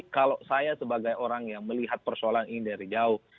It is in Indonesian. kalau saya sebagai orang yang melihat persoalan ini dari jauh